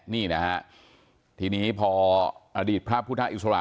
นี่นะฮะทีนี้พออดีตพระพุทธอิสระ